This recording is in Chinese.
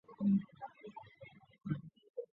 安罗德是德国图林根州的一个市镇。